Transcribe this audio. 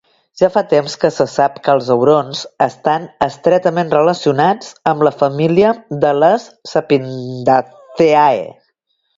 Ja fa temps que se sap que els aurons estan estretament relacionats amb la família de les Sapindaceae.